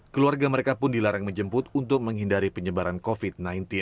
keluarga mereka pun dilarang menjemput untuk menghindari penyebaran covid sembilan belas